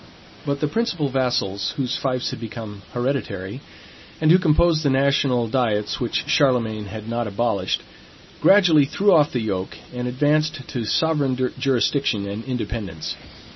But the principal vassals, whose fiefs had become hereditary, and who composed the national diets which Charlemagne had not abolished, gradually threw off the yoke and advanced to sovereign jurisdiction and independence.